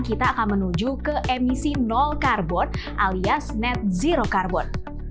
kita akan menuju ke emisi karbon alias net zero karbon